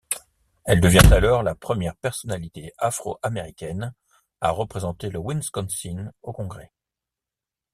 Elle devient alors la première personnalité afro-américaine à représenter le Wisconsin au Congrès.